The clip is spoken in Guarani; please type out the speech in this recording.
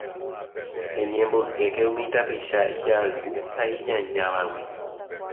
Eñemboykéke umi tapicha ijayvu ha iñañávagui